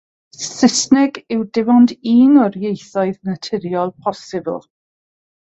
Saesneg yw dim ond un o'r ieithoedd naturiol posibl.